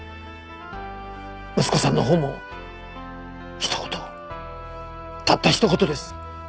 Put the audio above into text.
息子さんのほうもひと言たったひと言です。